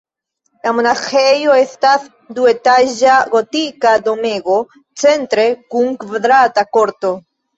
La monaĥejo estas duetaĝa gotika domego, centre kun kvadrata korto.